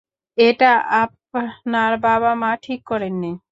এটা আপনার বাবা-মা ঠিক করেননি।